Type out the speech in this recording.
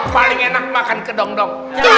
paling enak makan ke dong dong